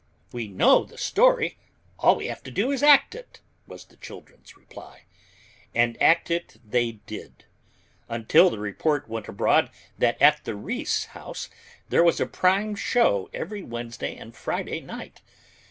"We know the story all we have to do is to act it," was the children's reply. And act it they did, until the report went abroad that at the Riis House there was a prime show every Wednesday and Friday night.